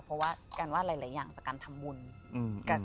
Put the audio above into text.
เพราะว่าการว่าหลายอย่างจากการทำบุญ